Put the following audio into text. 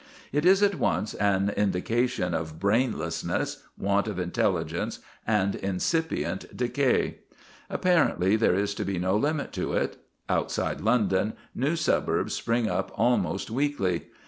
It is at once an indication of brainlessness, want of intelligence, and incipient decay. Apparently there is to be no limit to it. Outside London new suburbs spring up almost weekly.